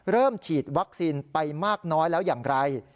ฉีดวัคซีนไปมากน้อยแล้วอย่างไร